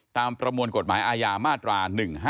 ประมวลกฎหมายอาญามาตรา๑๕